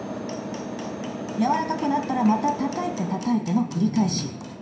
軟らかくなったらまたたたいてたたいての繰り返し。